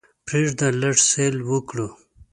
پریږده لږ سیل وکړو.